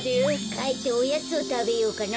かえっておやつをたべようかな。